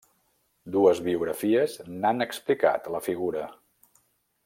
Dues biografies n'han explicat la figura.